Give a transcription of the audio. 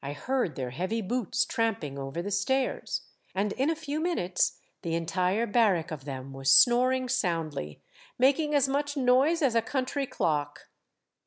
I heard their heavy boots tramping over the stairs, and in a few minutes the entire barrack of them was snor ing soundly, making as much noise as a country clock.